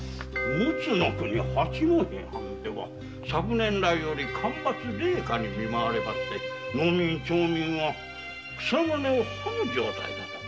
陸奥の国八戸藩では昨年来より干ばつ・冷夏に見舞われ農民・町民は草の根を食む状態だとか。